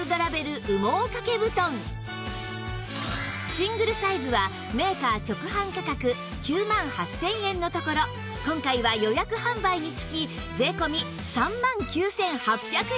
シングルサイズはメーカー直販価格９万８０００円のところ今回は予約販売につき税込３万９８００円